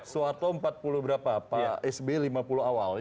soeharto empat puluh berapa pak sb lima puluh awal